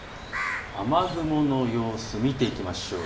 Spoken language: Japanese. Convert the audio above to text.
雨雲の様子、見ていきましょう。